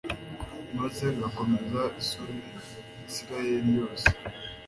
maze ngakoza isoni israheli yose